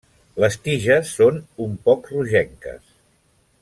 Les tiges són un poc rogenques.